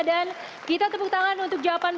dan kita tepuk tangan untuk jawaban